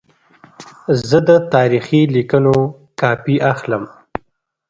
زه د تاریخي لیکونو کاپي اخلم.